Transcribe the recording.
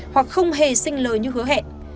hoặc không hề xinh lời như hứa hẹn